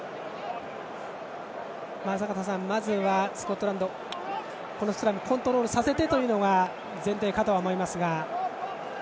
坂田さん、まずはスコットランドこのスクラムをコントロールさせてというのが前提かとは思いますが。